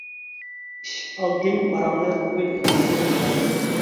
ئىشىك ئالدىن باراڭلىق، گۈل ئېچىلدى چىرايلىق.